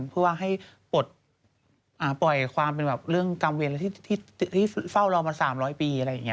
เพื่อว่าให้ปลดปล่อยความเป็นแบบเรื่องกรรมเวรที่เฝ้ารอมา๓๐๐ปีอะไรอย่างนี้